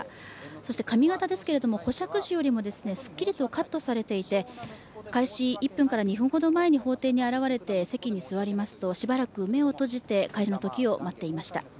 そして髪形ですけれども保釈時よりもすっきりとカットされていて開始１分から２分ほど前に法廷に現れて席に座りますと、しばらく目を閉じて開始のときを待っていました。